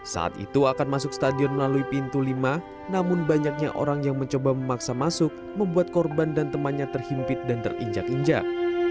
saat itu akan masuk stadion melalui pintu lima namun banyaknya orang yang mencoba memaksa masuk membuat korban dan temannya terhimpit dan terinjak injak